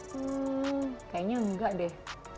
hmm kayaknya enggak deh